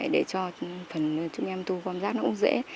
để cho phần chúng em tu quăm rác nó cũng dễ